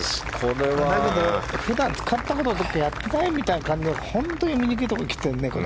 だけど普段、使ったことないというかやってないみたいな感じで本当に見にくいところきてるね。